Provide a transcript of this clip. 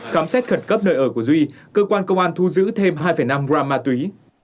khám xét khẩn cấp nơi ở của duy cơ quan công an thu giữ thêm hai năm gram ma túy